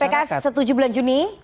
jadi pks setuju bulan juni